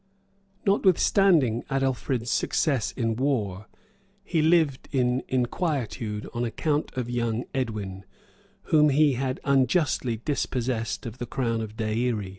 [] Notwithstanding Adelfrid's success in war, he lived in inquietude on account of young Edwin, whom he had unjustly dispossessed of the crown of Deïri.